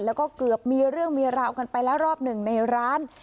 แล้วก็เกือบมีเรื่องมีราวกันไปแล้วรอบหนึ่งในร้าน